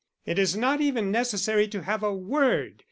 It is not even necessary to have a word.